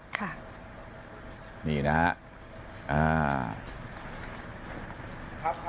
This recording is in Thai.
ค่ะนี่นะครับ